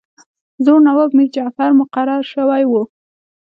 زوړ نواب میرجعفر مقرر شوی وو.